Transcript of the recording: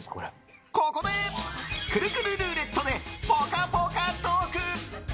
ここで、くるくるルーレットでぽかぽかトーク！